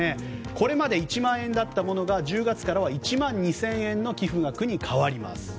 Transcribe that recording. これまで１万円だったものが１０月からは１万２０００円の寄付額に変わります。